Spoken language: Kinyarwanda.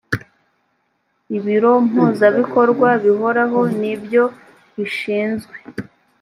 ibiro mpuzabikorwa bihoraho ni byo bishinzwe